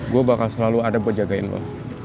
gue bakal selalu ada buat jagain lo